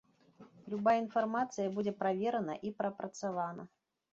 Любая інфармацыя будзе праверана і прапрацавана.